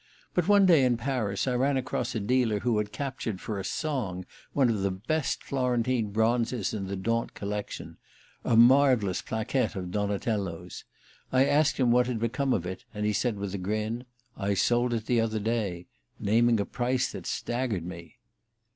But one day, in Paris, I ran across a dealer who had captured for a song one of the best Florentine bronzes in the Daunt collection a marvellous plaquette of Donatello's. I asked him what had become of it, and he said with a grin: "I sold it the other day," naming a price that staggered me.